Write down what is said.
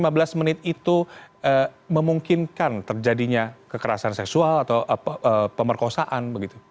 apakah rentang waktu lima belas menit itu memungkinkan terjadinya kekerasan seksual atau pemerkosaan